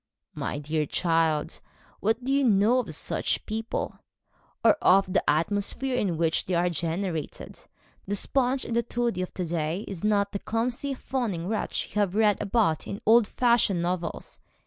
'My dear child, what do you know of such people or of the atmosphere in which they are generated? The sponge and toady of to day is not the clumsy fawning wretch you have read about in old fashioned novels.